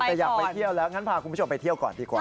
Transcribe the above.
แต่อยากไปเที่ยวแล้วงั้นพาคุณผู้ชมไปเที่ยวก่อนดีกว่า